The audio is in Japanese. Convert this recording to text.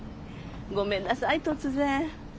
ごめんなさい突然。